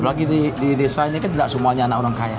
apalagi di desa ini kan tidak semuanya anak orang kaya